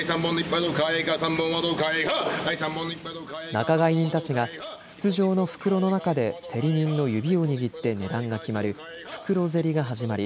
仲買人たちが筒状の袋の中で競り人の指を握って値段が決まる袋競りが始まり